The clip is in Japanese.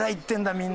みんな。